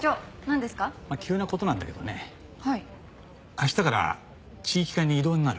明日から地域課に異動になる。